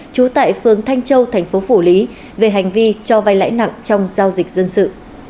trú tại phường thanh châu thành phố phủ lý về hành vi cho vay lãi nặng trong giao dịch dân sự